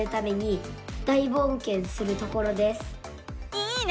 いいね！